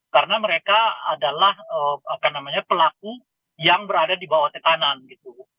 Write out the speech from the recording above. karena mereka adalah pelaku yang berada di bawah tekanan gitu